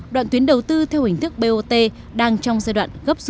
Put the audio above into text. đoạn tuyến đầu tư theo hình thức bot đang trong giai đoạn gấp rút về đích